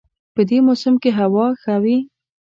په دې موسم کې هوا ښه وي